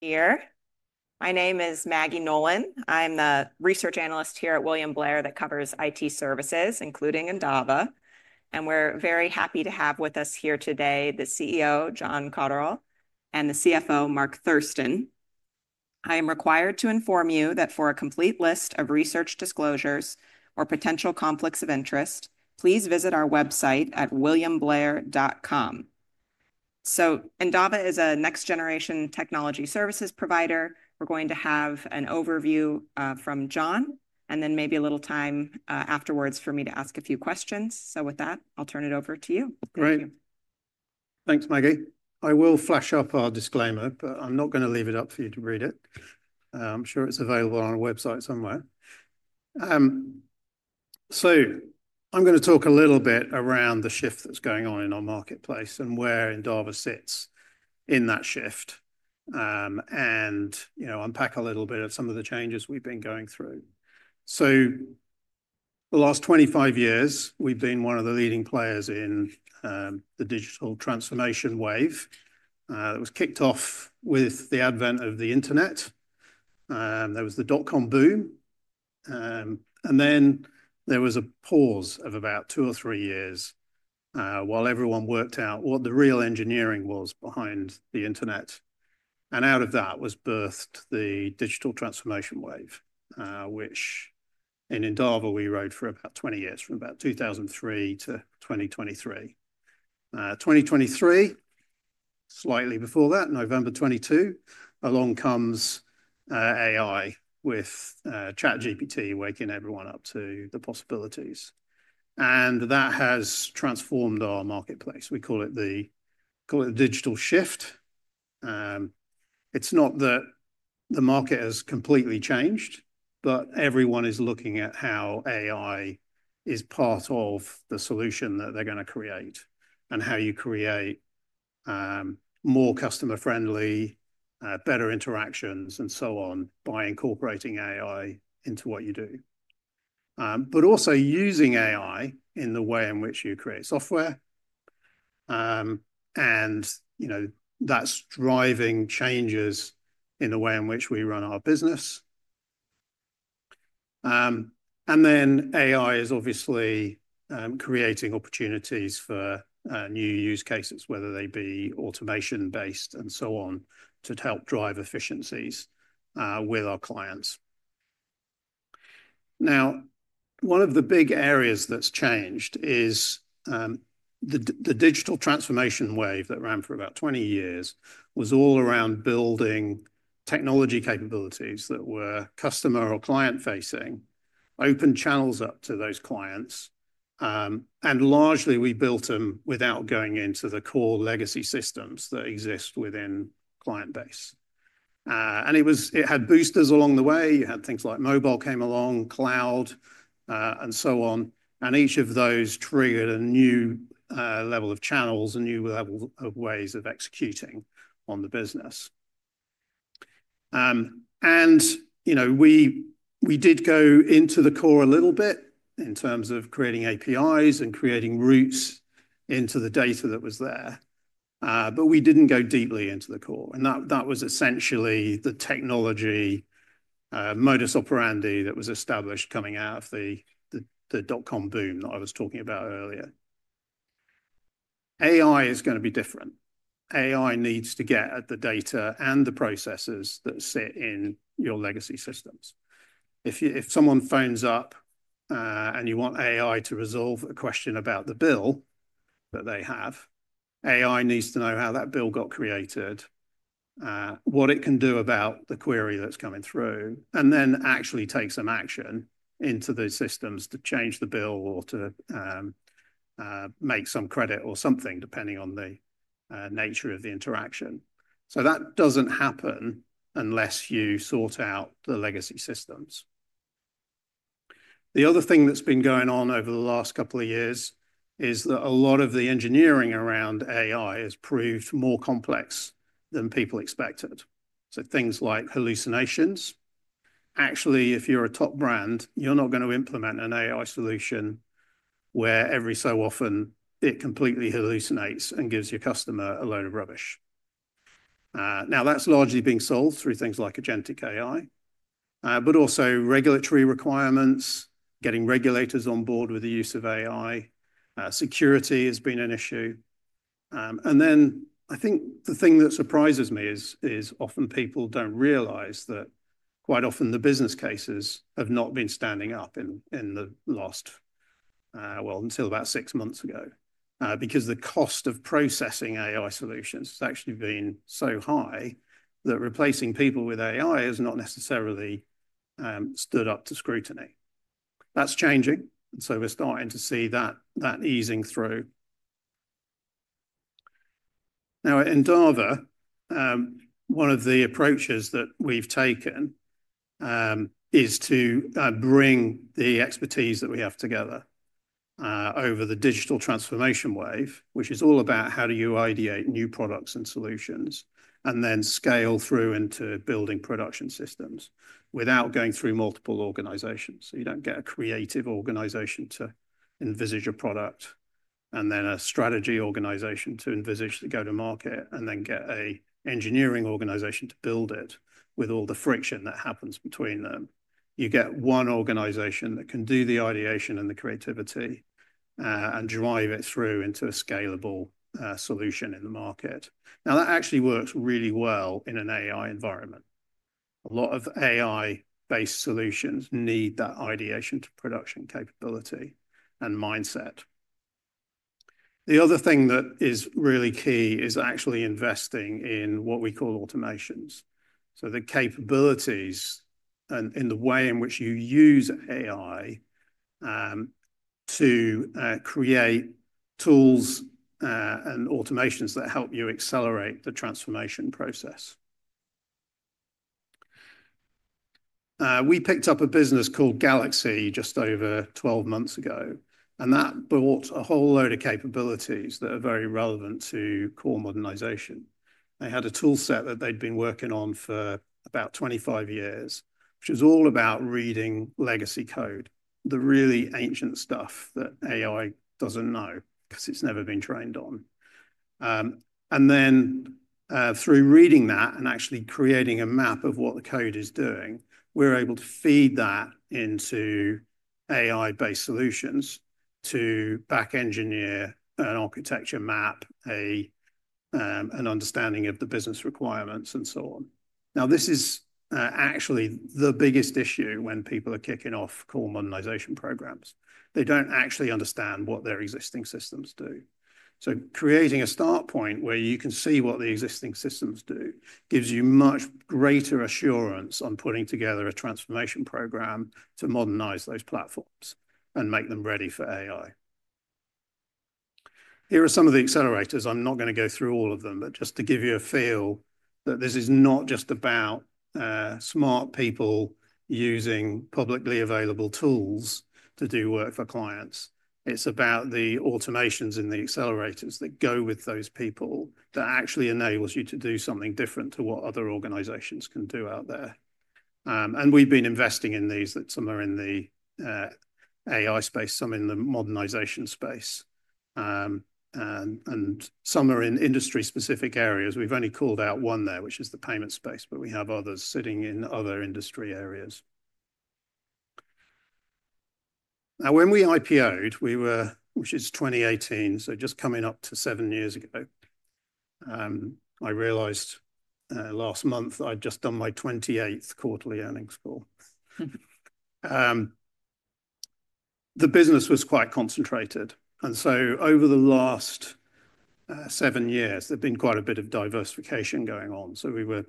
Here. My name is Maggie Nolan. I'm the research analyst here at William Blair that covers IT services, including Endava. We are very happy to have with us here today the CEO, John Cotterell, and the CFO, Mark Thurston. I am required to inform you that for a complete list of research disclosures or potential conflicts of interest, please visit our website at williamblair.com. Endava is a next-generation technology services provider. We are going to have an overview from John, and then maybe a little time afterwards for me to ask a few questions. With that, I'll turn it over to you. Great. Thanks, Maggie. I will flash up our disclaimer, but I'm not going to leave it up for you to read it. I'm sure it's available on our website somewhere. I'm going to talk a little bit around the shift that's going on in our marketplace and where Endava sits in that shift, and, you know, unpack a little bit of some of the changes we've been going through. The last 25 years, we've been one of the leading players in the digital transformation wave that was kicked off with the advent of the internet. There was the dot-com boom, and then there was a pause of about two or three years while everyone worked out what the real engineering was behind the internet. Out of that was birthed the digital transformation wave, which in Endava, we rode for about 20 years, from about 2003 to 2023. 2023, slightly before that, November 2022, along comes AI with ChatGPT waking everyone up to the possibilities. That has transformed our marketplace. We call it the digital shift. It is not that the market has completely changed, but everyone is looking at how AI is part of the solution that they are going to create and how you create more customer-friendly, better interactions, and so on by incorporating AI into what you do, but also using AI in the way in which you create software. You know, that is driving changes in the way in which we run our business. AI is obviously creating opportunities for new use cases, whether they be automation-based and so on, to help drive efficiencies with our clients. Now, one of the big areas that's changed is the digital transformation wave that ran for about 20 years was all around building technology capabilities that were customer or client-facing, open channels up to those clients. Largely, we built them without going into the core legacy systems that exist within client base. It had boosters along the way. You had things like mobile came along, cloud, and so on. Each of those triggered a new level of channels, a new level of ways of executing on the business. You know, we did go into the core a little bit in terms of creating APIs and creating routes into the data that was there, but we didn't go deeply into the core. That was essentially the technology modus operandi that was established coming out of the dot-com boom that I was talking about earlier. AI is going to be different. AI needs to get at the data and the processes that sit in your legacy systems. If someone phones up and you want AI to resolve a question about the bill that they have, AI needs to know how that bill got created, what it can do about the query that's coming through, and then actually take some action into those systems to change the bill or to make some credit or something, depending on the nature of the interaction. That does not happen unless you sort out the legacy systems. The other thing that's been going on over the last couple of years is that a lot of the engineering around AI has proved more complex than people expected. Things like hallucinations. Actually, if you're a top brand, you're not going to implement an AI solution where every so often it completely hallucinates and gives your customer a load of rubbish. Now, that's largely being solved through things like agentic AI, but also regulatory requirements, getting regulators on board with the use of AI. Security has been an issue. I think the thing that surprises me is often people don't realize that quite often the business cases have not been standing up in the last, well, until about six months ago, because the cost of processing AI solutions has actually been so high that replacing people with AI has not necessarily stood up to scrutiny. That's changing. We're starting to see that easing through. Now, at Endava, one of the approaches that we've taken is to bring the expertise that we have together over the digital transformation wave, which is all about how do you ideate new products and solutions and then scale through into building production systems without going through multiple organizations. You don't get a creative organization to envisage a product and then a strategy organization to envisage the go-to-market and then get an engineering organization to build it with all the friction that happens between them. You get one organization that can do the ideation and the creativity and drive it through into a scalable solution in the market. That actually works really well in an AI environment. A lot of AI-based solutions need that ideation to production capability and mindset. The other thing that is really key is actually investing in what we call automations. The capabilities and in the way in which you use AI to create tools and automations that help you accelerate the transformation process. We picked up a business called Galaxy just over 12 months ago, and that brought a whole load of capabilities that are very relevant to core modernization. They had a tool set that they'd been working on for about 25 years, which was all about reading legacy code, the really ancient stuff that AI doesn't know because it's never been trained on. Then through reading that and actually creating a map of what the code is doing, we're able to feed that into AI-based solutions to back engineer an architecture map, an understanding of the business requirements, and so on. Now, this is actually the biggest issue when people are kicking off core modernization programs. They don't actually understand what their existing systems do. Creating a start point where you can see what the existing systems do gives you much greater assurance on putting together a transformation program to modernize those platforms and make them ready for AI. Here are some of the accelerators. I'm not going to go through all of them, but just to give you a feel that this is not just about smart people using publicly available tools to do work for clients. It's about the automations in the accelerators that go with those people that actually enables you to do something different to what other organizations can do out there. We've been investing in these that some are in the AI space, some in the modernization space, and some are in industry-specific areas. We've only called out one there, which is the payment space, but we have others sitting in other industry areas. Now, when we IPOed, which is 2018, so just coming up to seven years ago, I realized last month I'd just done my 28th quarterly earnings call. The business was quite concentrated. Over the last seven years, there've been quite a bit of diversification going on. We were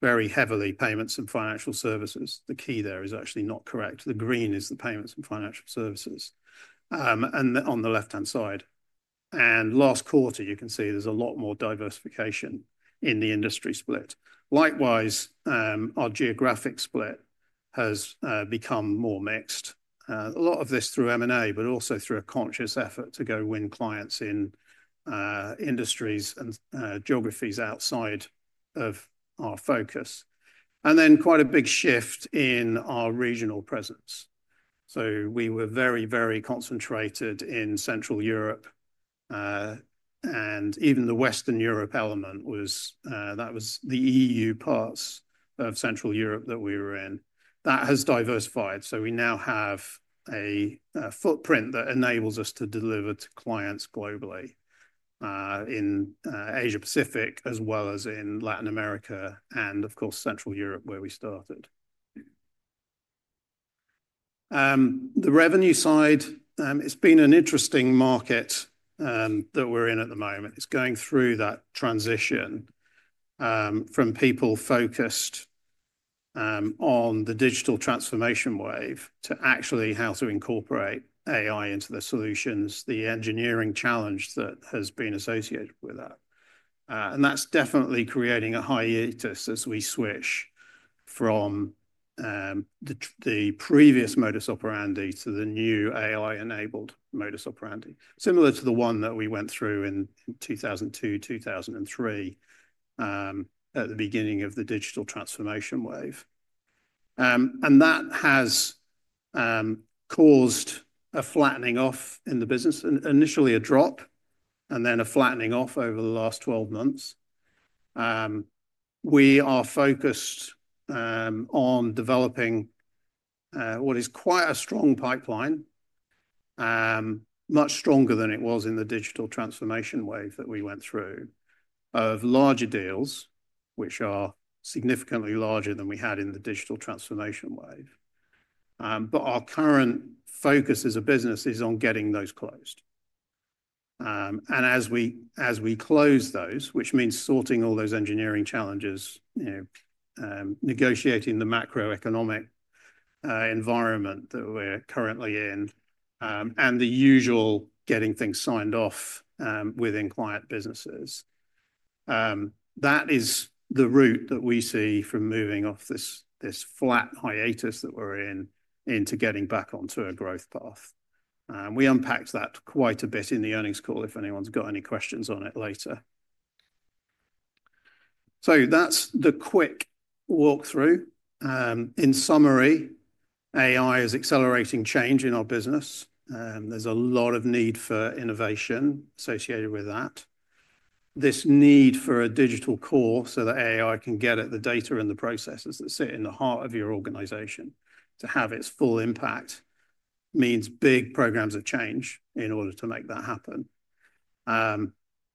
very heavily payments and financial services. The key there is actually not correct. The green is the payments and financial services on the left-hand side. Last quarter, you can see there's a lot more diversification in the industry split. Likewise, our geographic split has become more mixed. A lot of this through M&A, but also through a conscious effort to go win clients in industries and geographies outside of our focus. Quite a big shift in our regional presence. We were very, very concentrated in Central Europe. Even the Western Europe element was the EU parts of Central Europe that we were in. That has diversified. We now have a footprint that enables us to deliver to clients globally in Asia-Pacific, as well as in Latin America and, of course, Central Europe where we started. The revenue side, it's been an interesting market that we're in at the moment. It's going through that transition from people focused on the digital transformation wave to actually how to incorporate AI into the solutions, the engineering challenge that has been associated with that. That's definitely creating a hiatus as we switch from the previous modus operandi to the new AI-enabled modus operandi, similar to the one that we went through in 2002, 2003 at the beginning of the digital transformation wave. That has caused a flattening off in the business, initially a drop, and then a flattening off over the last 12 months. We are focused on developing what is quite a strong pipeline, much stronger than it was in the digital transformation wave that we went through of larger deals, which are significantly larger than we had in the digital transformation wave. Our current focus as a business is on getting those closed. As we close those, which means sorting all those engineering challenges, negotiating the macroeconomic environment that we're currently in, and the usual getting things signed off within client businesses, that is the route that we see from moving off this flat hiatus that we're in into getting back onto a growth path. We unpacked that quite a bit in the earnings call if anyone's got any questions on it later. That's the quick walkthrough. In summary, AI is accelerating change in our business. There's a lot of need for innovation associated with that. This need for a digital core so that AI can get at the data and the processes that sit in the heart of your organization to have its full impact means big programs of change in order to make that happen.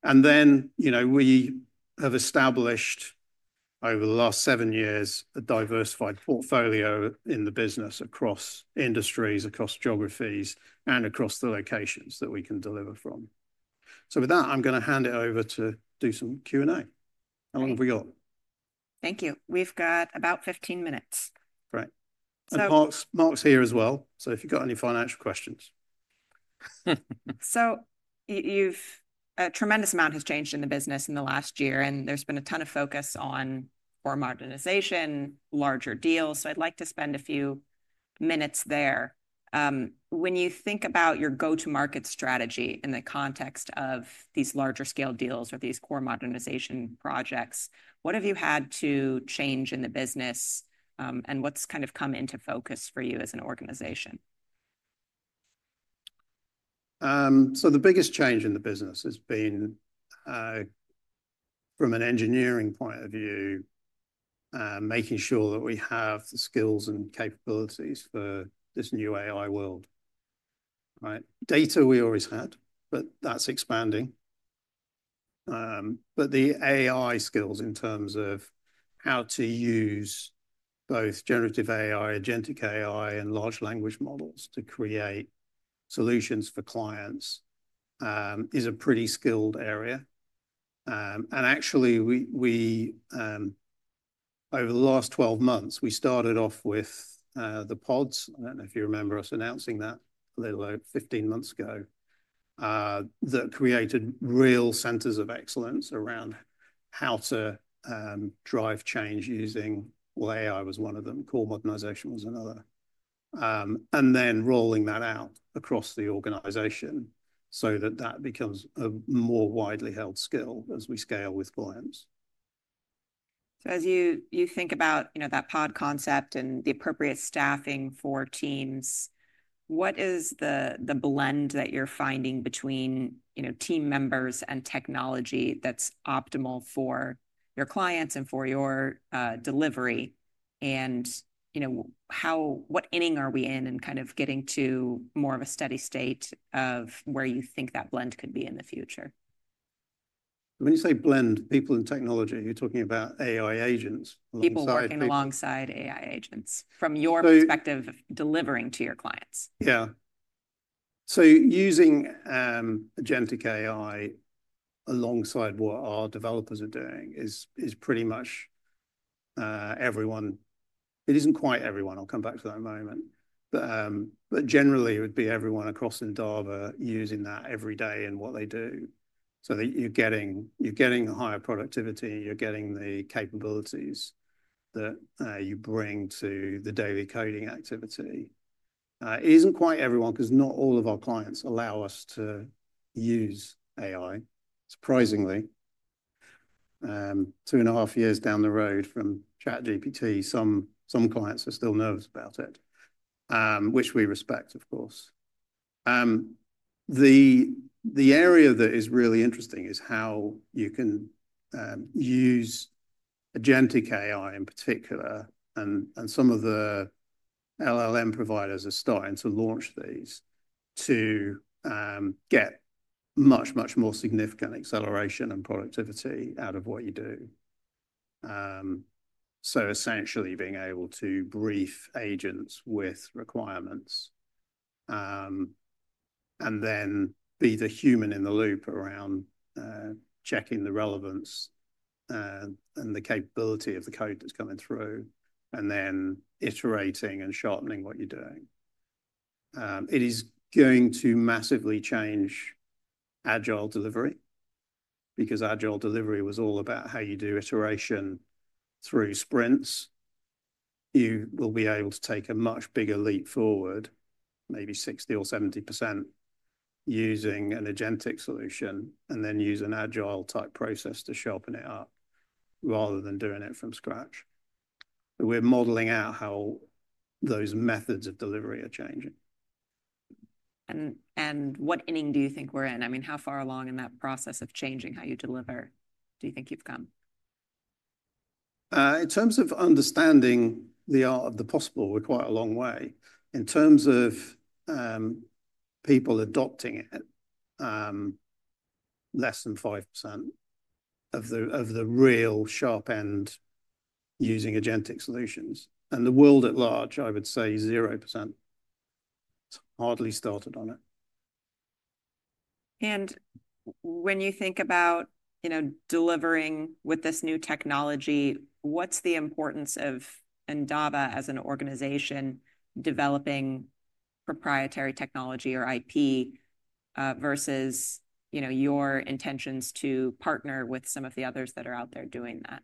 And then, you know, we have established over the last seven years a diversified portfolio in the business across industries, across geographies, and across the locations that we can deliver from. With that, I'm going to hand it over to do some Q&A. How long have we got? Thank you. We've got about 15 minutes. Great. Mark's here as well, so if you've got any financial questions. A tremendous amount has changed in the business in the last year, and there's been a ton of focus on core modernization, larger deals. I'd like to spend a few minutes there. When you think about your go-to-market strategy in the context of these larger scale deals or these core modernization projects, what have you had to change in the business, and what's kind of come into focus for you as an organization? The biggest change in the business has been, from an engineering point of view, making sure that we have the skills and capabilities for this new AI world. Right? Data we always had, but that's expanding. The AI skills in terms of how to use both generative AI, agentic AI, and large language models to create solutions for clients is a pretty skilled area. Actually, over the last 12 months, we started off with the pods. I don't know if you remember us announcing that a little over 15 months ago. That created real centers of excellence around how to drive change using, well, AI was one of them, core modernization was another, and then rolling that out across the organization so that that becomes a more widely held skill as we scale with clients. As you think about, you know, that pod concept and the appropriate staffing for teams, what is the blend that you're finding between, you know, team members and technology that's optimal for your clients and for your delivery? You know, what inning are we in and kind of getting to more of a steady state of where you think that blend could be in the future? When you say blend, people and technology, you're talking about AI agents? People working alongside AI agents from your perspective delivering to your clients? Yeah. Using agentic AI alongside what our developers are doing is pretty much everyone. It isn't quite everyone. I'll come back to that in a moment. Generally, it would be everyone across Endava using that every day in what they do. You're getting the higher productivity. You're getting the capabilities that you bring to the daily coding activity. It isn't quite everyone because not all of our clients allow us to use AI, surprisingly. Two and a half years down the road from ChatGPT, some clients are still nervous about it, which we respect, of course. The area that is really interesting is how you can use agentic AI in particular, and some of the LLM providers are starting to launch these to get much, much more significant acceleration and productivity out of what you do. Essentially being able to brief agents with requirements and then be the human in the loop around checking the relevance and the capability of the code that's coming through and then iterating and sharpening what you're doing. It is going to massively change agile delivery because agile delivery was all about how you do iteration through sprints. You will be able to take a much bigger leap forward, maybe 60% or 70%, using an agentic solution and then use an agile type process to sharpen it up rather than doing it from scratch. We're modeling out how those methods of delivery are changing. What inning do you think we're in? I mean, how far along in that process of changing how you deliver do you think you've come? In terms of understanding the art of the possible, we're quite a long way. In terms of people adopting it, less than 5% of the real sharp end using agentic solutions. The world at large, I would say 0%. It's hardly started on it. When you think about, you know, delivering with this new technology, what's the importance of Endava as an organization developing proprietary technology or IP versus, you know, your intentions to partner with some of the others that are out there doing that?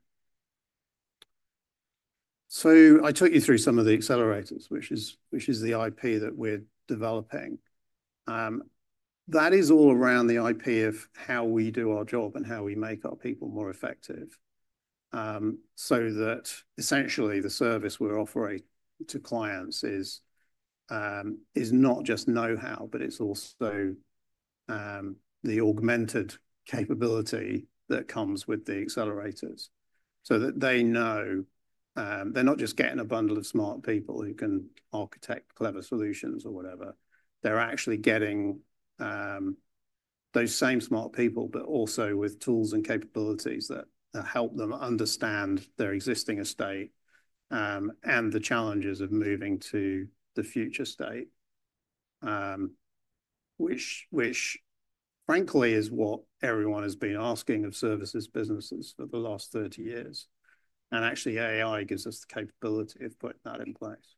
I took you through some of the accelerators, which is the IP that we're developing. That is all around the IP of how we do our job and how we make our people more effective so that essentially the service we're offering to clients is not just know-how, but it's also the augmented capability that comes with the accelerators so that they know they're not just getting a bundle of smart people who can architect clever solutions or whatever. They're actually getting those same smart people, but also with tools and capabilities that help them understand their existing estate and the challenges of moving to the future state, which, frankly, is what everyone has been asking of services businesses for the last 30 years. Actually, AI gives us the capability of putting that in place.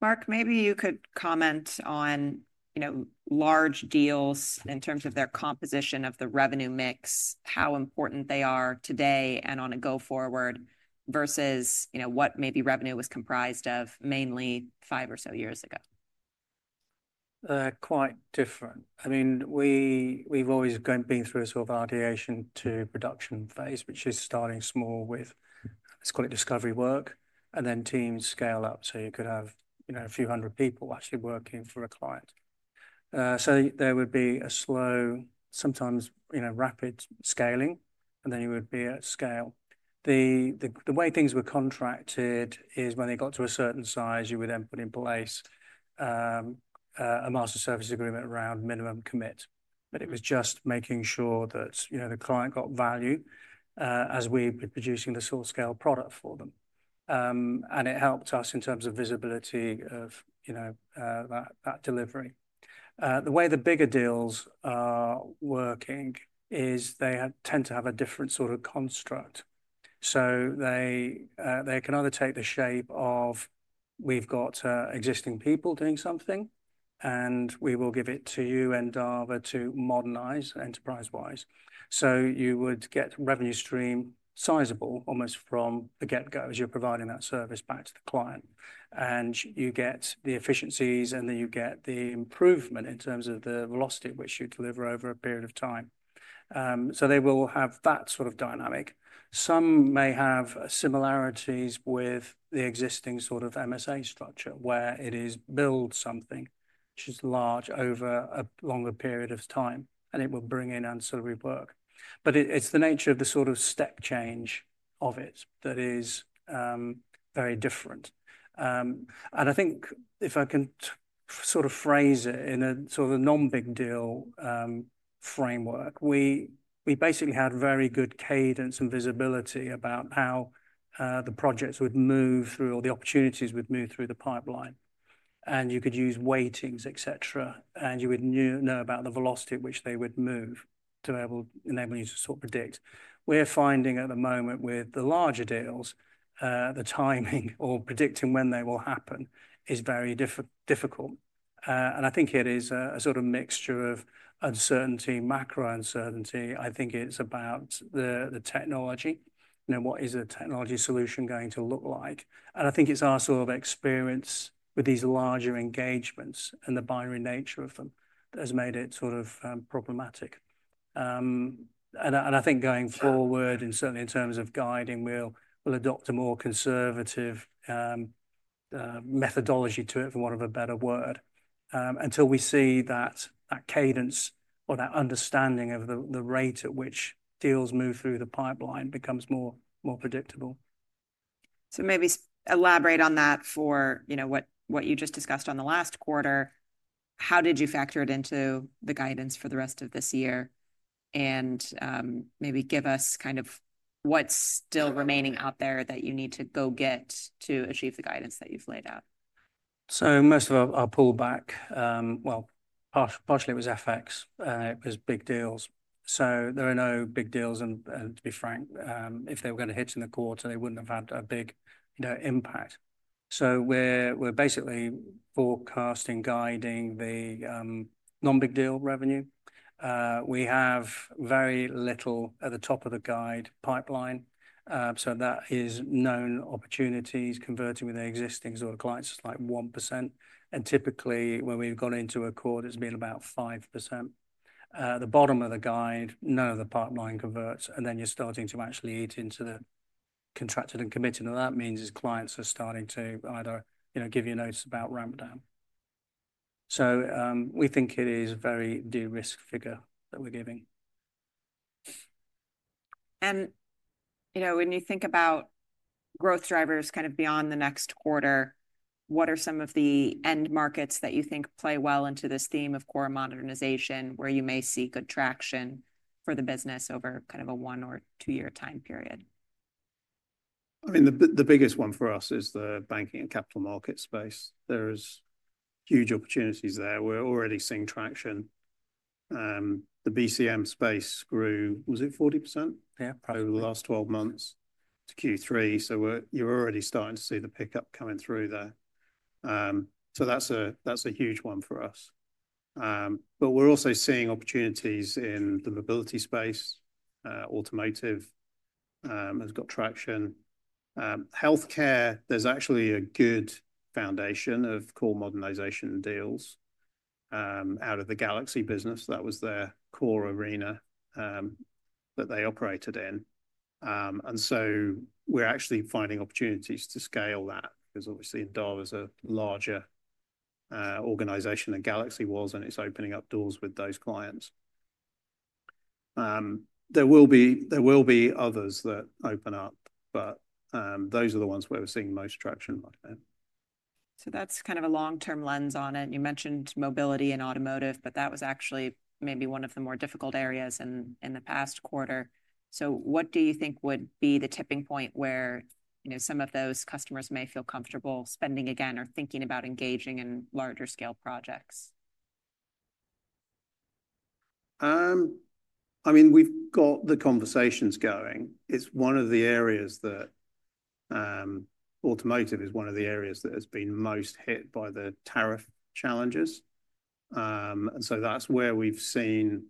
Mark, maybe you could comment on, you know, large deals in terms of their composition of the revenue mix, how important they are today and on a go-forward versus, you know, what maybe revenue was comprised of mainly five or so years ago. They're quite different. I mean, we've always been through a sort of ideation to production phase, which is starting small with, let's call it discovery work, and then teams scale up. You could have, you know, a few hundred people actually working for a client. There would be a slow, sometimes, you know, rapid scaling, and then you would be at scale. The way things were contracted is when they got to a certain size, you would then put in place a master service agreement around minimum commit. It was just making sure that, you know, the client got value as we were producing the source scale product for them. It helped us in terms of visibility of, you know, that delivery. The way the bigger deals are working is they tend to have a different sort of construct. They can either take the shape of, we've got existing people doing something, and we will give it to you, Endava, to modernize enterprise-wise. You would get revenue stream sizable almost from the get-go as you're providing that service back to the client. You get the efficiencies, and then you get the improvement in terms of the velocity at which you deliver over a period of time. They will have that sort of dynamic. Some may have similarities with the existing sort of MSA structure where it is build something which is large over a longer period of time, and it will bring in ancillary work. It is the nature of the sort of step change of it that is very different. I think if I can sort of phrase it in a sort of a non-big deal framework, we basically had very good cadence and visibility about how the projects would move through or the opportunities would move through the pipeline. You could use weightings, et cetera, and you would know about the velocity at which they would move to enable you to sort of predict. We're finding at the moment with the larger deals, the timing or predicting when they will happen is very difficult. I think it is a sort of mixture of uncertainty, macro uncertainty. I think it's about the technology. You know, what is a technology solution going to look like? I think it's our sort of experience with these larger engagements and the binary nature of them that has made it sort of problematic. I think going forward, and certainly in terms of guiding, we'll adopt a more conservative methodology to it, for want of a better word, until we see that cadence or that understanding of the rate at which deals move through the pipeline becomes more predictable. Maybe elaborate on that for, you know, what you just discussed on the last quarter. How did you factor it into the guidance for the rest of this year? Maybe give us kind of what's still remaining out there that you need to go get to achieve the guidance that you've laid out. Most of our pullback, well, partially it was FX. It was big deals. There are no big deals. To be frank, if they were going to hit in the quarter, they would not have had a big impact. We are basically forecasting, guiding the non-big deal revenue. We have very little at the top of the guide pipeline. That is known opportunities converting with the existing sort of clients, like 1%. Typically when we have gone into a quarter, it has been about 5%. At the bottom of the guide, none of the pipeline converts. Then you are starting to actually eat into the contracted and committed. What that means is clients are starting to either, you know, give you notice about ramp down. We think it is a very de-risk figure that we are giving. You know, when you think about growth drivers kind of beyond the next quarter, what are some of the end markets that you think play well into this theme of core modernization where you may see good traction for the business over kind of a one or two-year time period? I mean, the biggest one for us is the banking and capital market space. There are huge opportunities there. We're already seeing traction. The BCM space grew, was it 40%? Yeah, probably. Over the last 12 months to Q3. You're already starting to see the pickup coming through there. That's a huge one for us. We're also seeing opportunities in the mobility space. Automotive has got traction. Healthcare, there's actually a good foundation of core modernization deals out of the Galaxy business. That was their core arena that they operated in. We're actually finding opportunities to scale that because obviously Endava is a larger organization than Galaxy was, and it's opening up doors with those clients. There will be others that open up, but those are the ones where we're seeing most traction right now. That's kind of a long-term lens on it. You mentioned mobility and automotive, but that was actually maybe one of the more difficult areas in the past quarter. What do you think would be the tipping point where, you know, some of those customers may feel comfortable spending again or thinking about engaging in larger scale projects? I mean, we've got the conversations going. It's one of the areas that automotive is one of the areas that has been most hit by the tariff challenges. That is where we have seen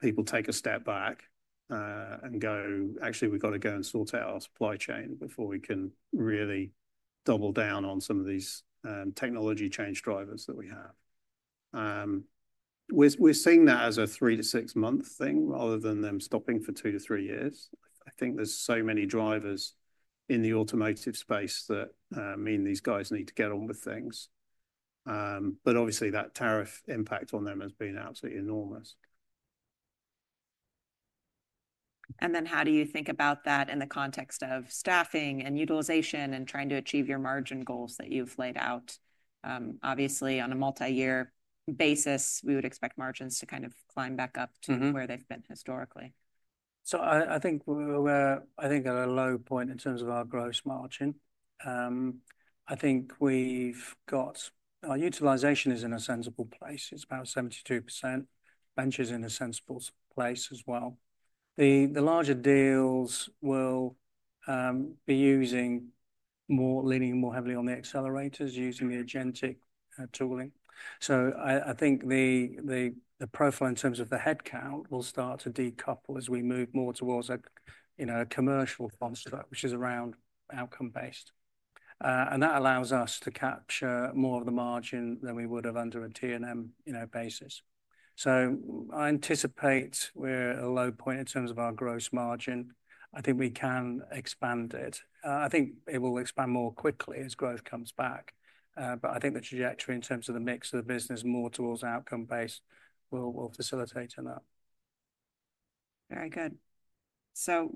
people take a step back and go, actually, we have got to go and sort out our supply chain before we can really double down on some of these technology change drivers that we have. We are seeing that as a three- to six-month thing rather than them stopping for two to three years. I think there are so many drivers in the automotive space that mean these guys need to get on with things. Obviously, that tariff impact on them has been absolutely enormous. How do you think about that in the context of staffing and utilization and trying to achieve your margin goals that you have laid out? Obviously, on a multi-year basis, we would expect margins to kind of climb back up to where they have been historically. I think we're, I think at a low point in terms of our gross margin. I think we've got our utilization is in a sensible place. It's about 72%. Venture's in a sensible place as well. The larger deals will be using more, leaning more heavily on the accelerators, using the agentic tooling. I think the profile in terms of the headcount will start to decouple as we move more towards a, you know, a commercial construct, which is around outcome-based. That allows us to capture more of the margin than we would have under a T&M, you know, basis. I anticipate we're at a low point in terms of our gross margin. I think we can expand it. I think it will expand more quickly as growth comes back. I think the trajectory in terms of the mix of the business more towards outcome-based will facilitate in that. Very good.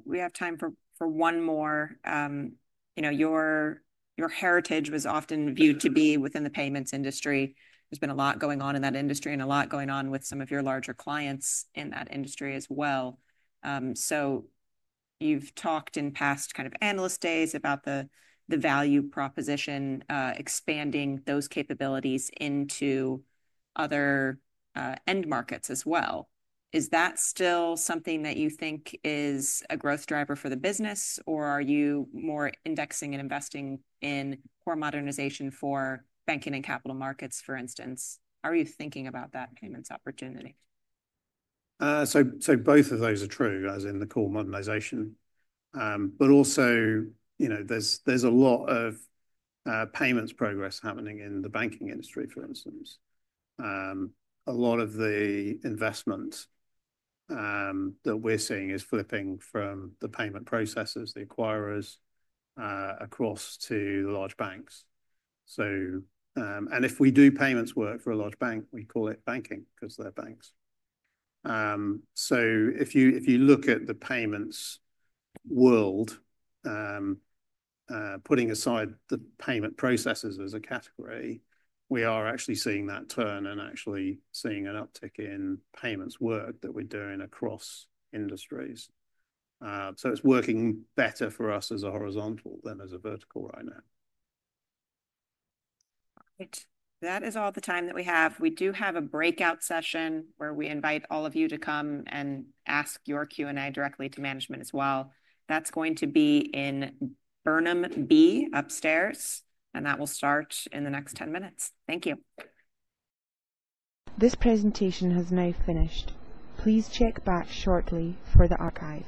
We have time for one more. You know, your heritage was often viewed to be within the payments industry. There's been a lot going on in that industry and a lot going on with some of your larger clients in that industry as well. You've talked in past kind of analyst days about the value proposition, expanding those capabilities into other end markets as well. Is that still something that you think is a growth driver for the business, or are you more indexing and investing in core modernization for banking and capital markets, for instance? Are you thinking about that payments opportunity? Both of those are true as in the core modernization. But also, you know, there's a lot of payments progress happening in the banking industry, for instance. A lot of the investment that we're seeing is flipping from the payment processors, the acquirers, across to the large banks. If we do payments work for a large bank, we call it banking because they're banks. If you look at the payments world, putting aside the payment processors as a category, we are actually seeing that turn and actually seeing an uptick in payments work that we're doing across industries. It is working better for us as a horizontal than as a vertical right now. All right. That is all the time that we have. We do have a breakout session where we invite all of you to come and ask your Q&A directly to management as well. That's going to be in Burnham B upstairs, and that will start in the next 10 minutes. Thank you. This presentation has now finished. Please check back shortly for the archive.